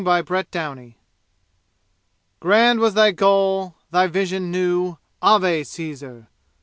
Chapter XIII Grand was thy goal! Thy vision new! Ave, Caesar!